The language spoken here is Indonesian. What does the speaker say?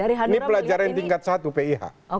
ini pelajaran tingkat satu pih